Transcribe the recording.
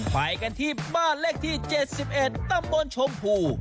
ไปกันที่บ้านเลขที่๗๑ตำบลชมพู